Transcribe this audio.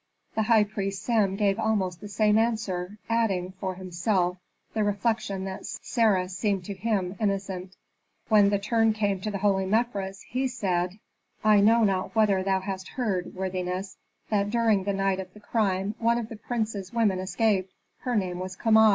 The high priest Sem gave almost the same answer, adding, for himself, the reflection that Sarah seemed to him innocent. When the turn came to the holy Mefres, he said, "I know not whether thou hast heard, worthiness, that during the night of the crime one of the prince's women escaped; her name was Kama."